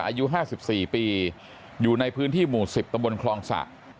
อายุ๕๔ปีอยู่ในพื้นที่หมู่๑๐ตำบลคลองสะ